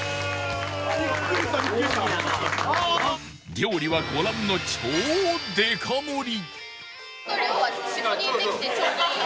料理はご覧の超デカ盛り